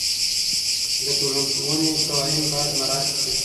د ټولني قوانین باید مراعات سي.